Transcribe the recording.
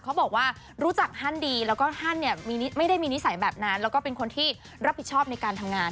เขาบอกว่ารู้จักท่านดีแล้วก็ท่านเนี่ยไม่ได้มีนิสัยแบบนั้นแล้วก็เป็นคนที่รับผิดชอบในการทำงาน